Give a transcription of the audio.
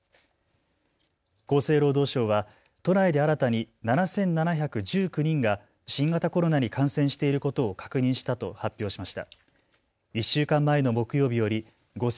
厚生労働省は都内で新たに７７１９人が新型コロナに感染していることを確認したと発表しました。